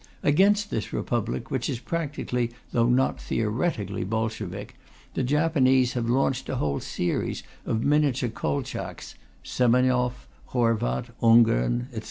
Against this Republic, which is practically though not theoretically Bolshevik, the Japanese have launched a whole series of miniature Kolchaks Semenov, Horvath, Ungern, etc.